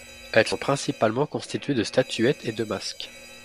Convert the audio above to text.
Elles sont principalement constituées de statuettes et de masques.